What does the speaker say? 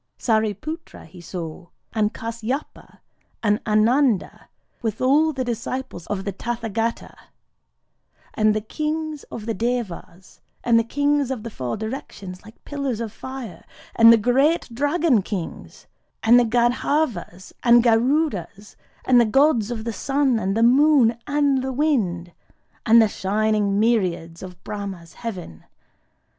Sâriputra he saw, and Kâsyapa, and Ânanda, with all the disciples of the Tathâgata,—and the Kings of the Devas,—and the Kings of the Four Directions, like pillars of fire,—and the great Dragon Kings,—and the Gandharvas and Garudas,—and the Gods of the Sun and the Moon and the Wind,—and the shining myriads of Brahmâ's heaven.